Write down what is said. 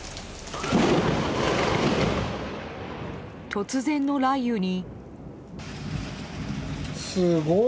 突然の雷雨に。